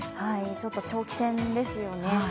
ちょっと長期戦ですよね。